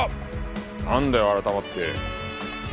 なんだよ改まって。